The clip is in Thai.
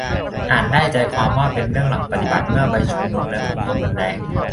อ่านได้ใจความว่าเป็นเรื่องหลักปฏิบัติเมื่อไปชุมนุมและพบความรุนแรง